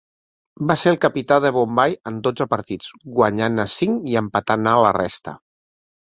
Va ser el capità de Bombai en dotze partits, guanyant-ne cinc i empatant-ne la resta.